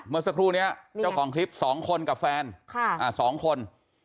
เมื่อสักครู่นี้เจ้าของคลิป๒คนกับแฟน๒คน